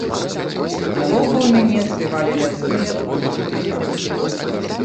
Навокал мяне спявалі лясныя птушкі.